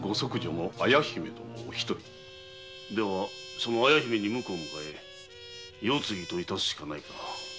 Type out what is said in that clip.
その綾姫に婿を迎え世継ぎといたすしかないな。